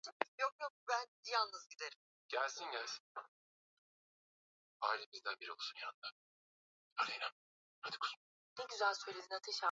ya uchafuzi wa hewa kama ilivyoshuhudiwa awali huko Marekani na Ulaya